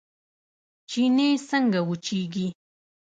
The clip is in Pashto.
چينې څنګه وچیږي؟